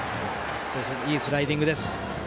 いいスライディングです。